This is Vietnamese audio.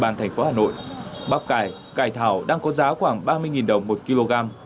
bàn thành phố hà nội bắp cải cải thảo đang có giá khoảng ba mươi đồng một kg